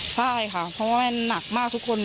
ใช่ค่ะเพราะว่ามันหนักมากทุกคน